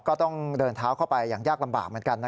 ก็ต้องเดินเท้าเข้าไปอย่างยากลำบากเหมือนกัน